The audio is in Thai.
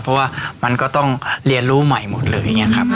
เพราะว่ามันก็ต้องเรียนรู้ใหม่หมดเลยอย่างนี้ครับ